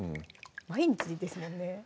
毎日ですもんね